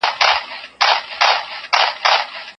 تاسو به د خپلي پوهي په رڼا کي چلیږئ.